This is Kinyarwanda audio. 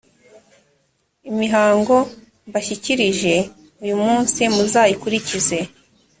imihango mbashyikirije uyu munsi muzayikurikize.